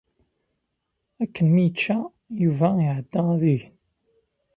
Akken mi yečča, Yuba iɛedda ad igen.